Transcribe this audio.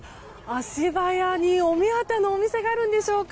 足早に、お目当てのお店があるんでしょうか。